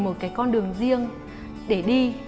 một cái con đường riêng để đi